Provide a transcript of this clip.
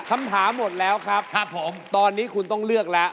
คำถามหมดแล้วครับผมตอนนี้คุณต้องเลือกแล้ว